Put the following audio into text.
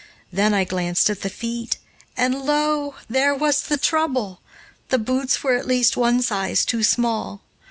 Then I glanced at the feet, and lo! there was the trouble. The boots were at least one size too small.